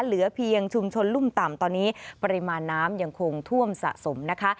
เหลือเพียงชุมชนลุ่มต่ำตอนนี้ปริมาณน้ำยังคงท่วมสะสมนะคะ